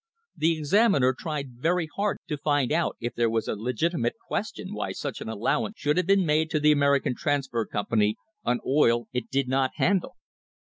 The examiner tried very hard to find out if there was a legitimate reason why such an allowance should have been made to the American Transfer Company on oil it did not handle.